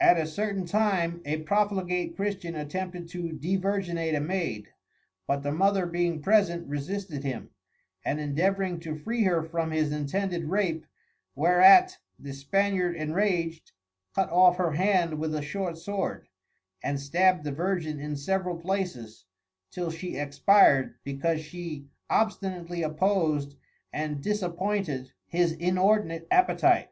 At a certain time a profligate Christian attempted to devirginate a Maid, but the Mother being present, resisted him, and endeavouring to free her from his intended Rape, whereat the Spaniard enrag'd, cut off her Hand with a short Sword, and stab'd the Virgin in several places, till she Expir'd, because she obstinately opposed and disappointed his inordinate Appetite.